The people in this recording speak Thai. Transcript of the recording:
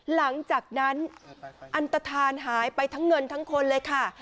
หลังจากนั้นอันตฐานหายไปทั้งเงินทั้งคนเลยค่ะ